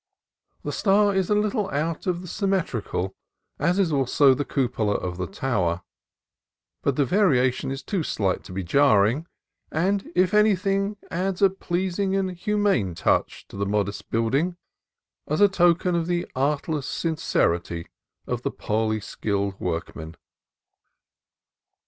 The star is a little out of the symmetrical, as is also the cupola of the tower, but the variation is too slight to be jarring, and, if anything, adds a pleasing and hu mane touch to the modest building, as a token of the artless sincerity of the poorly skilled workmen.